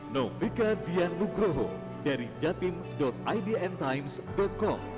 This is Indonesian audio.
novika dian nugroho dari jatim idntimes com